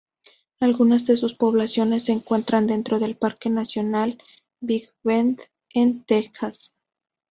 Algunas de sus poblaciones se encuentran dentro del Parque Nacional Big Bend en Texas.